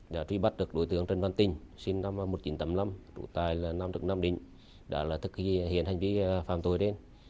đã truy bắt được đối tượng trần văn tinh sinh năm một nghìn chín trăm tám mươi năm trụ tài là nam định đã thực hiện hành vi phạm tội đến